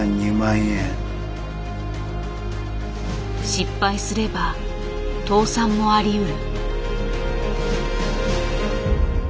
失敗すれば倒産もありうる。